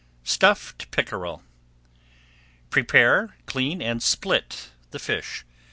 STUFFED PICKEREL Prepare, clean, and split the fish.